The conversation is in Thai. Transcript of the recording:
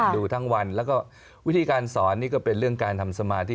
ดูทั้งวันแล้วก็วิธีการสอนนี่ก็เป็นเรื่องการทำสมาธิ